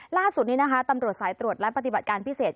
ล่าสุดนี้นะคะตำรวจสายตรวจและปฏิบัติการพิเศษ